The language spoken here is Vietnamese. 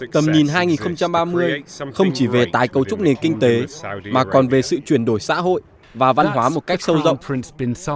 tầm nhìn hai nghìn ba mươi không chỉ về tái cấu trúc nền kinh tế mà còn về sự chuyển đổi xã hội và văn hóa một cách sâu rộng